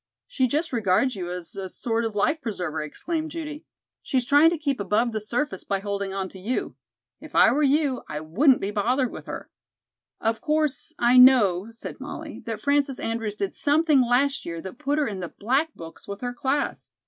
"She just regards you as a sort of life preserver," exclaimed Judy. "She's trying to keep above the surface by holding on to you. If I were you, I wouldn't be bothered with her." "Of course, I know," said Molly, "that Frances Andrews did something last year that put her in the black books with her class.